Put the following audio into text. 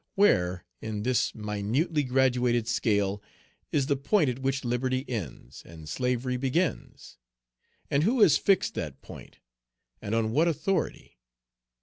Where, in this minutely graduated scale, is the point at which liberty ends, and slavery begins? And who has fixed that point? And on what authority?